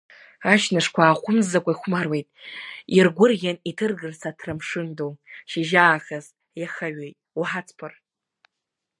Аҷнышқәа ааҟәымҵӡакәа ихәмаруеит, иргәырӷьан иҭыргарц аҭра амшын ду, шьыжьаахыс иахаҩоит, уҳацԥыр!